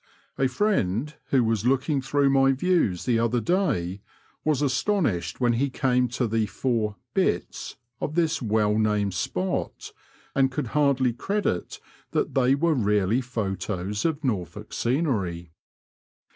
A friend who was looking through my views the other day was astonished when he came to the four " bits *' of this well named spot, and could hardly credit that they were really photos of Norfolk scenery.